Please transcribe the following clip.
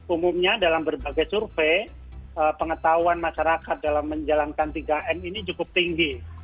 umumnya dalam berbagai survei pengetahuan masyarakat dalam menjalankan tiga m ini cukup tinggi